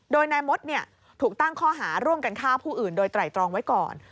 โดยนายมดถูกตั้งข้อหาร่วมกันฆ่าผู้อื่นโดยไตรตรองไว้ก่อน